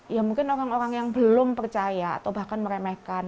ya mungkin orang orang yang belum percaya atau bahkan meremehkan